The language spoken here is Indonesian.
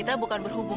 sana ke belakang